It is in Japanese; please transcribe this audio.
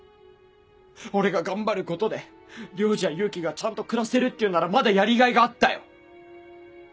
俺が頑張ることで亮二や勇樹がちゃんと暮らせるっていうならまだやりがいがあったよ。